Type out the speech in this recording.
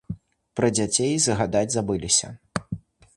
Пра дзяцей згадаць забыліся.